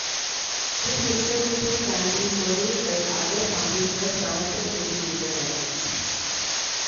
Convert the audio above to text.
This information can be queried by other computers connected to the Internet.